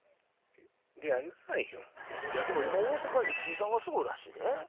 大阪石井さんがすごいらしいで。